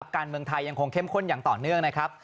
การเมืองไทยยังคงเข้มข้นอย่างต่อเนื่องนะครับ